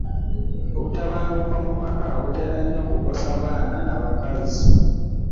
Obutabanguko mu maka butera nnyo kukosa baana na bakazi.